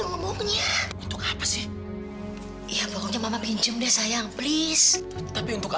sampai jumpa di video selanjutnya